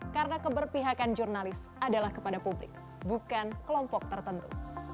karena keberpihakan jurnalis adalah kepada publik bukan kelompok tertentu